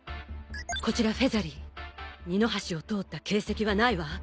こちらフェザリー二の橋を通った形跡はないわ。